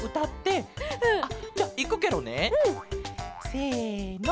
せの！